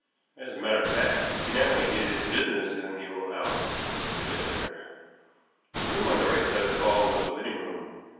As a matter of fact, he not only did his business in the old house, but lived there. The room on the right of the hall was the living room.